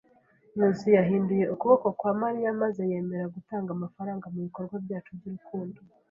Nkusi yahinduye ukuboko kwa Mariya maze yemera gutanga amafaranga mu bikorwa byacu by'urukundo.